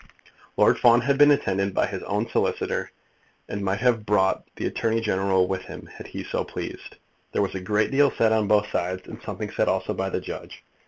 Lord Fawn had been attended by his own solicitor, and might have brought the Attorney General with him had he so pleased. There was a great deal said on both sides, and something said also by the judge.